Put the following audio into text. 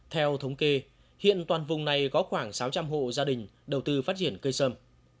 theo thống kê hiện toàn vùng này có khoảng sáu trăm linh hộ gia đình đầu tư phát triển cây sâm